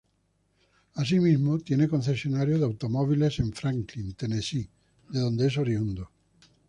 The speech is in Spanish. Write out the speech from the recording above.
Asimismo, tiene concesionarios de automóviles en Franklin, Tennessee, de donde es oriundo.